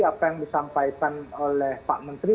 apa yang disampaikan oleh pak menteri